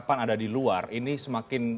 pan ada di luar ini semakin